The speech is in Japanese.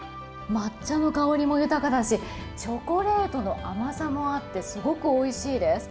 抹茶の香りも豊かだしチョコレートの甘さもあってすごくおいしいです。